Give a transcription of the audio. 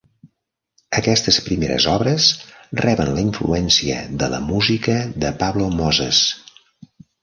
Aquestes primeres obres reben la influència de la música de Pablo Moses.